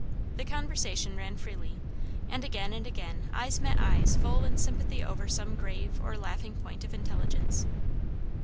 The conversation ran freely; and again and again eyes met eyes full in sympathy over some grave or laughing point of intelligence.